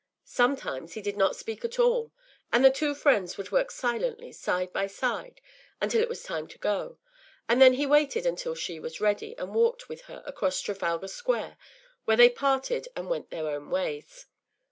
Sometimes he did not speak at all, and the two friends would work silently side by side until it was time to go; and then he waited until she was ready, and walked with her across Trafalgar Square, where they parted and went their own ways.